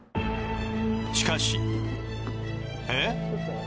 しかしえっ！？